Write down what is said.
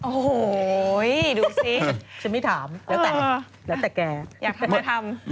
โอ้โหดูซิชัยไม่ถามละแต่แก